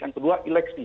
yang kedua eleksi